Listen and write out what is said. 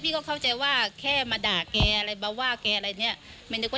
พี่หลานพี่บานไกลว่าทำเกตไหมคนแก่อะไรเนี่ยประมาณนี้ค่ะ